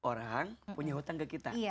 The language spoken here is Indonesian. orang punya hutang ke kita